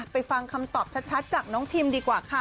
ฟังคำตอบชัดจากน้องพิมดีกว่าค่ะ